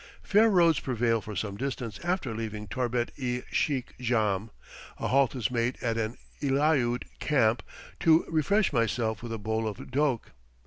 Fair roads prevail for some distance after leaving Torbet i Sheikh Jahm; a halt is made at an Eliaute camp to refresh myself with a bowl of doke.